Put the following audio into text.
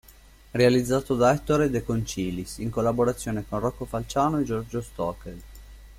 Realizzato da Ettore De Concilis, in collaborazione con Rocco Falciano e Giorgio Stockel.